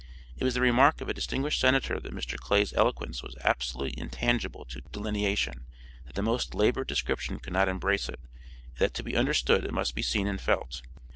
It was the remark of a distinguished senator that Mr. Clay's eloquence was absolutely intangible to delineation; that the most labored description could not embrace it, and that to be understood it must be seen and felt.